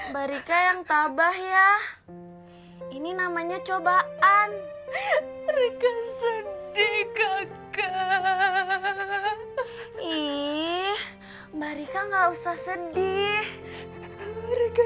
mereka yang tabah ya ini namanya cobaan mereka sedih kakak ih mbak rika nggak usah sedih mereka